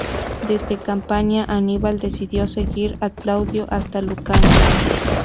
Desde Campania, Aníbal decidió seguir a Claudio hasta Lucania.